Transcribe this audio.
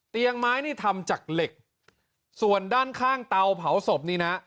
ไม้นี่ทำจากเหล็กส่วนด้านข้างเตาเผาศพนี่นะ